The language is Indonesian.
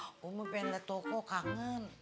ah umi pengen liat toko kangen